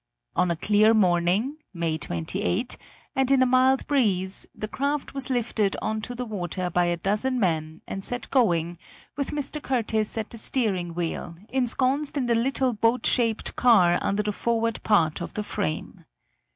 On a clear morning (May 28), and in a mild breeze, the craft was lifted onto the water by a dozen men and set going, with Mr. Curtiss at the steering wheel, ensconced in the little boat shaped car under the forward part of the frame.